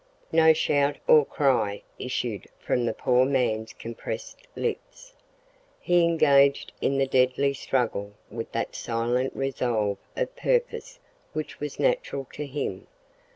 No shout or cry issued from the poor man's compressed lips. He engaged in the deadly struggle with that silent resolve of purpose which was natural to him.